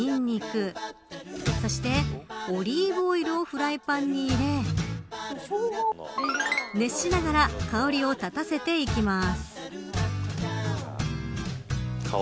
刻んだしょうがとニンニクそして、オリーブオイルをフライパンに入れ熱しながら香りを立たせていきます。